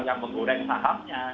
yang menggoreng sahamnya